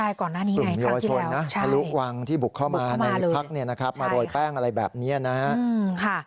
ใช่ก่อนหน้านี้ไงครั้งที่แล้วใช่บุคเข้ามาเลยนะครับมาโดยแป้งอะไรแบบนี้นะฮะ